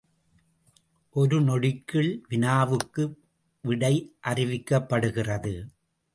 ஒரு நொடிக்குள் வினாவுக்கு விடை அறிவிக்கப்படுகிறது.